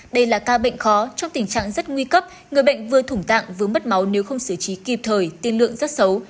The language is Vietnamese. đây là ca bệnh khó trong tình trạng rất nguy cấp người bệnh vừa thủng tạng vừa mất máu nếu không xử trí kịp thời tiên lượng rất xấu